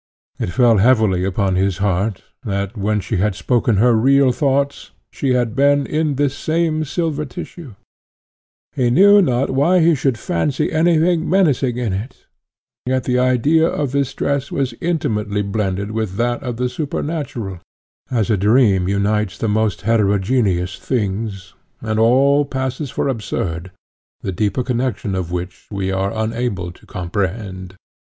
It fell heavily upon his heart, that, when she had spoken her real thoughts, she had been in this same silver tissue; he knew not why he should fancy any thing menacing in it, and yet the idea of this dress was intimately blended with that of the supernatural, as a dream unites the most heterogeneous things, and all passes for absurd, the deeper connexion of which we are unable to comprehend.